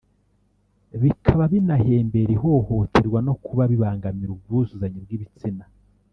bikaba binahembera ihohoterwa no kuba bibangamira ubwuzuzanye bw’ibitsina